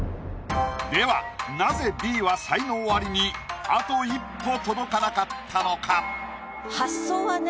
ではなぜＢは才能アリにあと一歩届かなかったのか？